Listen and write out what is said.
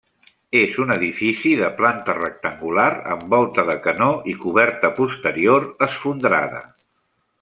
És un edifici de planta rectangular amb volta de canó i coberta posterior esfondrada.